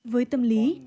với tâm lý